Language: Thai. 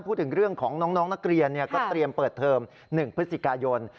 พูดถึงเรื่องของน้องนักเรียนก็เตรียมเปิดเทอม๑พฤศจิกายน